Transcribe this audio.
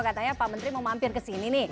katanya pak menteri mau mampir kesini nih